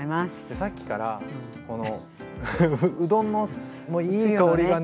さっきからこのうどんのいい香りがね